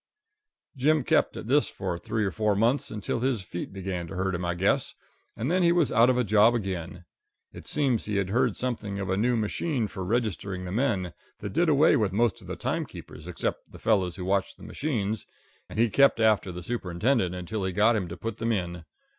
Jim kept at this for three or four months, until his feet began to hurt him, I guess, and then he was out of a job again. It seems he had heard something of a new machine for registering the men, that did away with most of the timekeepers except the fellows who watched the machines, and he kept after the Superintendent until he got him to put them in.